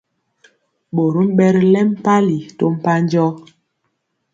Ɓorom ɓɛ ri lɛŋ mpali to mpanjɔ.